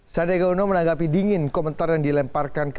sandi uno menanggapi dingin komentar yang dilemparkan kepercayaan